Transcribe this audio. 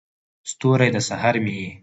ستوری، د سحر مې یې